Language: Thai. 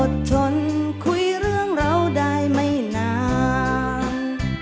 ชนคุยเรื่องเราได้ไม่นาน